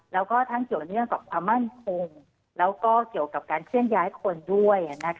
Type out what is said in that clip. แล้วก็ทั้งเกี่ยวเนื่องกับความมั่นคงแล้วก็เกี่ยวกับการเคลื่อนย้ายคนด้วย